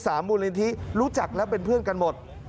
มูลนิธิรู้จักและเป็นเพื่อนกันหมด